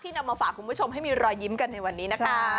นำมาฝากคุณผู้ชมให้มีรอยยิ้มกันในวันนี้นะคะ